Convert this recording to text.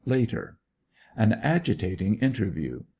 Later. An agitating interview.